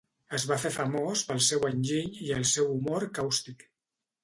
Es va fer famós pel seu enginy i el seu humor càustic.